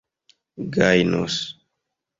gajnos